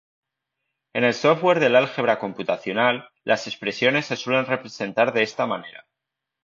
En el software del álgebra computacional, las expresiones se suelen representar de esta manera.